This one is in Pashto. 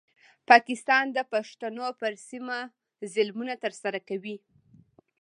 پاکستان د پښتنو پر سیمه ظلمونه ترسره کوي.